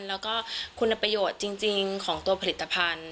แล้วก็คุณประโยชน์จริงของตัวผลิตภัณฑ์